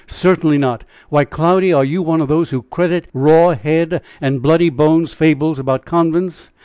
"Certainly not. Why, Cloudy, are you one of those who credit 'raw head and bloody bones' fables about convents?